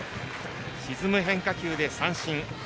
沈む変化球で三振。